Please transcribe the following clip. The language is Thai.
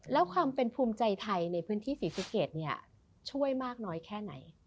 แล้วความเป็นภูมิใจไทยในพื้นที่ศรีสะเกดเนี่ยช่วยมากน้อยแค่ไหน